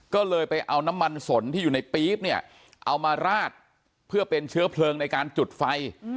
ก็เลยไปเอาน้ำมันสนที่อยู่ในปี๊บเนี่ยเอามาราดเพื่อเป็นเชื้อเพลิงในการจุดไฟ